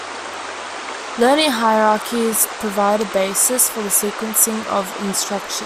Learning hierarchies provide a basis for the sequencing of instruction.